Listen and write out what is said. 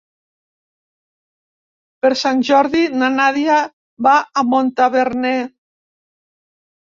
Per Sant Jordi na Nàdia va a Montaverner.